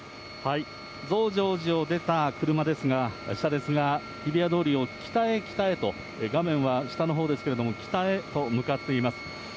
増上寺を出た車ですが、車列が日比谷通りを北へ北へと、画面は下のほうですけれども、北へと向かっています。